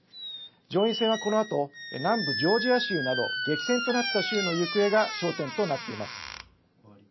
上院選はこのあと南部ジョージア州など激戦となった州の行方が焦点となっています。